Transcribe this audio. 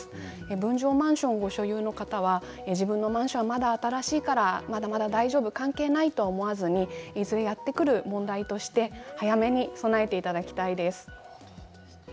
分譲マンションを所有の方は自分のマンションまだ新しいから大丈夫、関係ないと思わずにいずれやってくる問題として早めに備えていただきたいです。